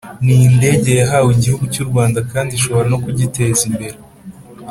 ni indege yahawe igihugu cy u Rwanda kandi ishobora no kugiteza imbere